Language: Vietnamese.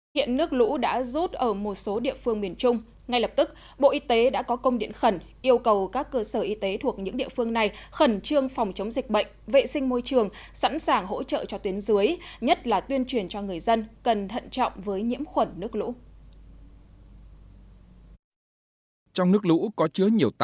hiện nước lũ đã rút ở một số địa phương miền trung ngay lập tức bộ y tế đã có công điện khẩn yêu cầu các cơ sở y tế thuộc những địa phương này khẩn trương phòng chống dịch bệnh vệ sinh môi trường sẵn sàng hỗ trợ cho tuyến dưới nhất là tuyên truyền cho người dân cần thận trọng với nhiễm khuẩn nước lũ